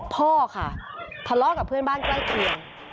พ่อค่ะทะเลาะกับเพื่อนบ้านใกล้เคียง